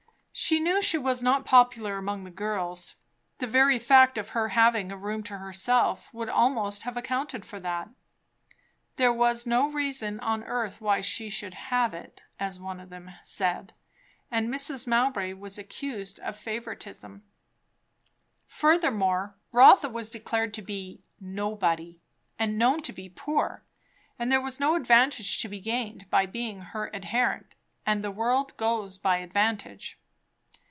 She knew she was not popular among the girls; the very fact of her having a room to herself would almost have accounted for that; "there was no reason on earth why she should have it," as one of them said; and Mrs. Mowbray was accused of favouritism. Furthermore, Rotha was declared to be "nobody," and known to be poor; there was no advantage to be gained by being her adherent; and the world goes by advantage.